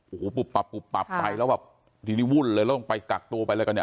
โอ้โหปุ๊บปับปุ๊บปับไปแล้วแบบทีนี้วุ่นเลยแล้วต้องไปกักตัวไปอะไรกันเนี่ย